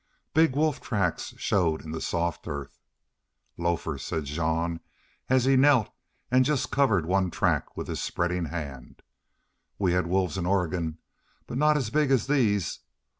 Big wolf tracks showed in the soft earth. "Lofers," said Jean, as he knelt and just covered one track with his spread hand. "We had wolves in Oregon, but not as big as these....